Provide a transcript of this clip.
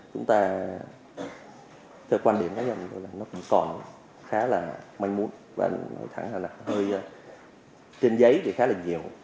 chúng ta theo quan điểm cá nhân là nó còn khá là may mốn và nói thẳng là hơi trên giấy thì khá là nhiều